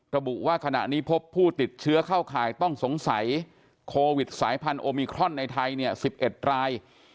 ระบุว่าขณะนี้พบผู้ติดเชื้อเข้าข่ายต้องสงสัยโควิดสายพันธุมิครอนในไทย๑๑ราย